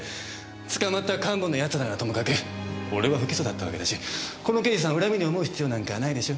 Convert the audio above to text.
捕まった幹部の奴らならともかく俺は不起訴だったわけだしこの刑事さんを恨みに思う必要なんかないでしょ。